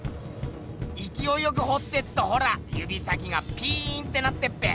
いきおいよくほってっとほらゆび先がピーンってなってっぺ。